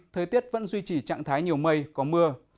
thời tiết vẫn duy trì trạng thái nhiều mây có mưa